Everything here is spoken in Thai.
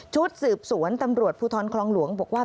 ชุดสืบสวนตำรวจภูทรคลองหลวงบอกว่า